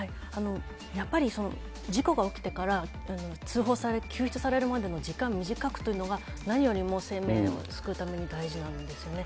やっぱり事故が起きてから通報され、救出されるまでの時間短くというのが、何よりも生命を救うために大事なんですよね。